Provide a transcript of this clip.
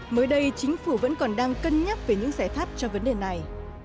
mới đây chính phủ vẫn còn đang cân nhắc về những giải pháp cho vấn đề này